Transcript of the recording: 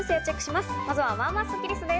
まずは、まあまあスッキりすです。